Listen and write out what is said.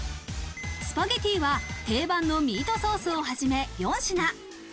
スパゲティは定番のミートソースをはじめ４品。